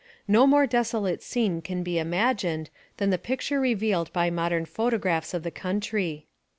No more desolate scene can be imagined than the picture revealed by modern photographs of the country.